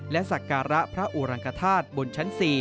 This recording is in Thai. และสักการะพระอุรังกธาตุบนชั้น๔